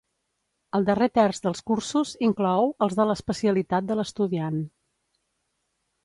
El darrer terç dels cursos inclou els de l'especialitat de l'estudiant.